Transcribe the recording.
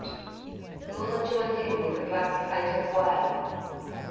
] Oola joined in with the black's plaintive wail.